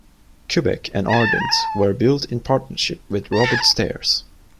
"Quebec" and "Ardent" were built in partnership with Robert Stares.